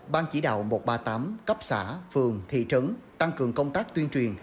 ban chỉ đạo một trăm ba mươi tám cấp xã phường thị trấn tăng cường công tác tuyên truyền